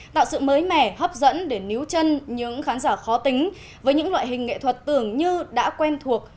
tạo sự mới mẻ hấp dẫn để níu chân những khán giả khó tính với những loại hình nghệ thuật tưởng như đã quen thuộc